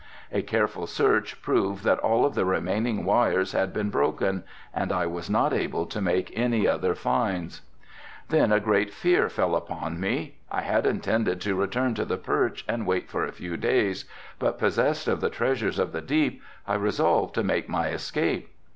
A careful search proved that all of the remaining wires had been broken and I was not able to make any other finds. Then a great fear fell upon me. I had intended to return to the perch, and wait for a few days, but possessed of the treasures of the deep, I resolved to make my escape.